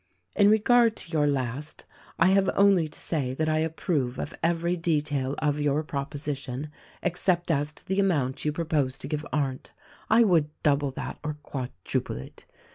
"In regard to your last I have only to say that I approve of every detail of your proposition except as to the amount you propose to give Arndt. I would double that or quad ruple it.